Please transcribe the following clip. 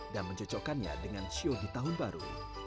dan mencocokkannya dengan sio di tahun baru